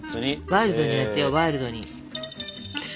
ワイルドにやってよワイルドに。